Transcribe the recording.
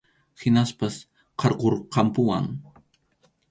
Hinaspas qarqurqampuwan.